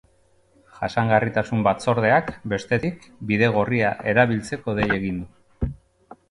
Jasangarritasun batzordeak, bestetik, bidegorria erabiltzeko dei egin du.